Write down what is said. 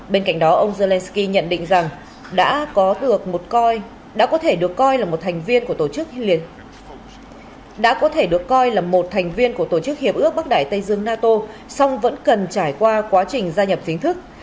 bên cạnh đó ông zelenskyy nhận định rằng đã có thể được coi là một thành viên của tổ chức hiệp ước bắc đại tây dương nato song vẫn cần trải qua quá trình gia nhập chính thức